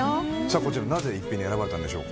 こちら、なぜ逸品に選ばれたんでしょうか？